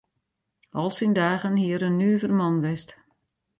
Al syn dagen hie er in nuver man west.